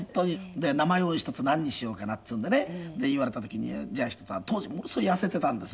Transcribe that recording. で名前をひとつ何にしようかなっていうんでね言われた時にじゃあひとつ当時ものすごい痩せてたんです。